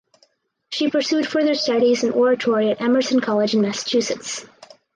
She pursued further studies in oratory at Emerson College in Massachusetts.